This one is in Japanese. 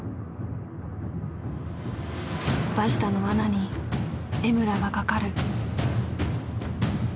バシタの罠に江村がかかる。